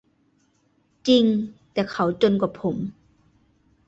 "จริง แต่เขาจนกว่าผม"